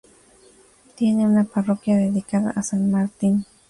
Tiene una parroquia dedicada a San Martín.